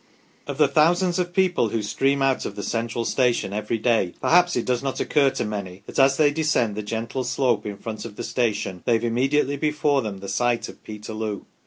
OF the thousands of people who stream out of the Central Station every day, perhaps it does not occur to many that as they descend the gentle slope in front of the station they have immediately before them the site of Peterloo.